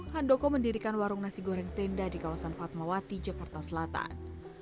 handoko mendirikan warung nasi goreng tenda di kawasan fatmawati jakarta selatan